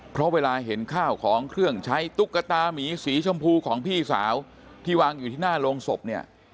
เพราะเวลาเห็นข้าวของเครื่องใช้ตุ๊กตามีสีชมพูของพี่สาวที่วางอยู่ที่หน้าโรงศพเนี่ย